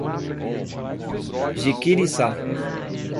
Jiquiriçá